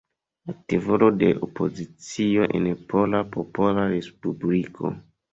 Aktivulo de opozicio en Pola Popola Respubliko.